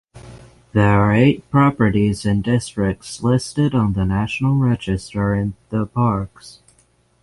There are eight properties and districts listed on the National Register in the parks.